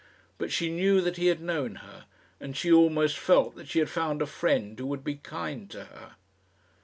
But she knew that he had known her, and she almost felt that she had found a friend who would be kind to her.